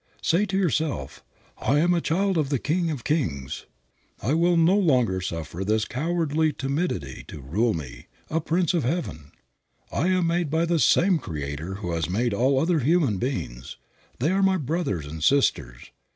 Say to yourself, "I am a child of the King of kings. I will no longer suffer this cowardly timidity to rule me, a prince of heaven. I am made by the same Creator who has made all other human beings. They are my brothers and sisters.